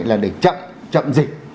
là để chậm dịch